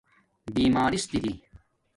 بیمارس دری